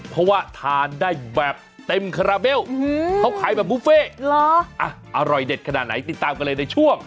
เพราะว่าทานได้แบบเต็มคาราเบลเขาขายแบบบุฟเฟ่อร่อยเด็ดขนาดไหนติดตามกันเลยในช่วง